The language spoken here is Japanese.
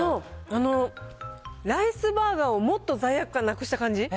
あの、ライスバーガーをもっと罪悪感なくした感じ。